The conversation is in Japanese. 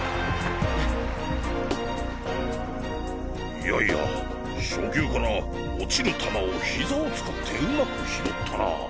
いやいや初球から落ちる球を膝を使ってうまく拾ったなぁ。